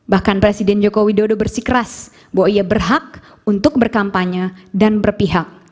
bahkan presiden joko widodo bersikeras bahwa ia berhak untuk berkampanye dan berpihak